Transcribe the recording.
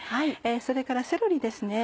それからセロリですね。